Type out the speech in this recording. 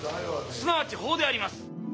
すなわち法であります」。